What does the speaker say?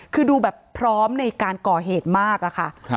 คือดูแบบพร้อมในการก่อเหตุมากอะค่ะ